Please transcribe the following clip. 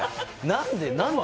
何で？